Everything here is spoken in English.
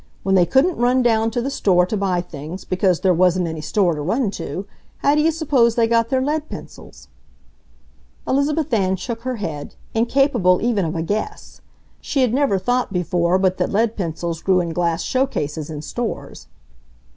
When they couldn't run down to the store to buy things, because there wasn't any store to run to, how do you suppose they got their lead pencils!" Elizabeth Ann shook her head, incapable even of a guess. She had never thought before but that lead pencils grew in glass show cases in stores.